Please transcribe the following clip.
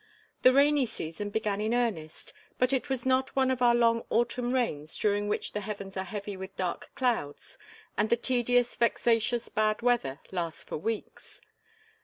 The rainy season began in earnest but it was not one of our long autumn rains during which the heavens are heavy with dark clouds and the tedious, vexatious bad weather lasts for weeks.